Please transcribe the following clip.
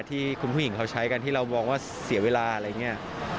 ที่คุณผู้หญิงเขาใช้กันที่เรามองว่าเสียเวลาอะไรอย่างนี้